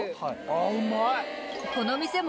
あっうまい。